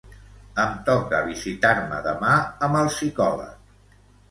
Em toca visitar-me demà amb el psicòleg.